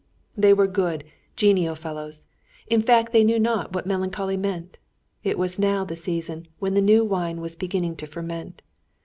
They were good, genial fellows. In fact, they knew not what melancholy meant. It was now the season when the new wine was beginning to ferment.